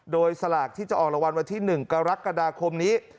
โดยสลากที่จะออกรางวัลวันที่๑กรกฎาคมนี้